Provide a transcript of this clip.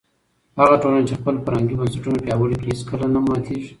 هغه ټولنه چې خپل فرهنګي بنسټونه پیاوړي کړي هیڅکله نه ماتېږي.